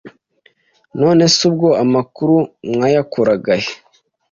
None se ubwo amakuru mwayakuraga he?